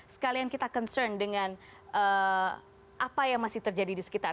sekalian kita concern dengan apa yang masih terjadi di sekitar